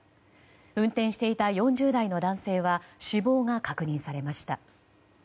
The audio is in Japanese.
運転していた４０代の男性は死亡が確認されました。